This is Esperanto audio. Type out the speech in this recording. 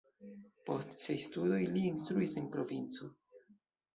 Post siaj studoj li instruis en provinco.